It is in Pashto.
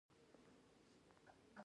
د ګوتو د درد لپاره باید څه وکړم؟